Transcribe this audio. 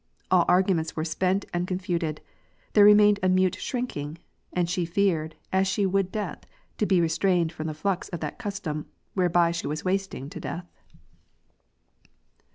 AH arguments were spent and confuted ; there remained a mute shrinking ; and she feared, as she would death, to be restrained from the flux of that custom, whereby she was Avasting to death.